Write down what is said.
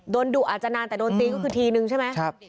ดุอาจจะนานแต่โดนตีก็คือทีนึงใช่ไหม